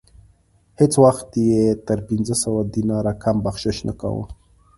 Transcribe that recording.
هیڅ وخت یې تر پنځه سوه دیناره کم بخشش نه کاوه.